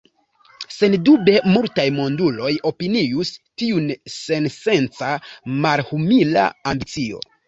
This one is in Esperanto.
Sendube multaj monduloj opinius tion sensenca, malhumila ambicio.